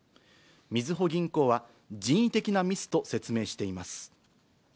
みずほ銀行は、人為的なミスと説明しています。